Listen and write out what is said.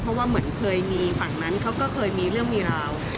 เพราะว่าเหมือนเคยมีฝั่งนั้นเขาก็เคยมีเรื่องมีราว